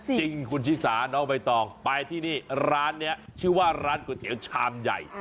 จริงคุณชิสาน้องใบตองไปที่นี่ร้านนี้ชื่อว่าร้านก๋วยเตี๋ยวชามใหญ่